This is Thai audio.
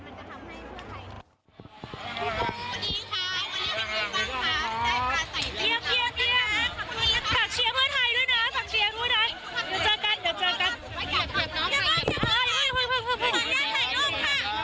สวัสดีครับวันนี้เป็นเกลือบังคัก